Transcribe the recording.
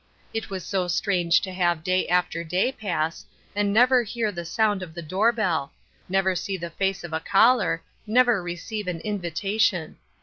It was so strange to have day after day pass, and never hear the sound of the door bell — never see the face of a caller — never receive an invitation.